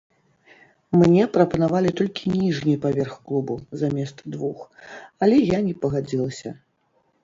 Мне прапанавалі толькі ніжні паверх клубу, замест двух, але я не пагадзілася.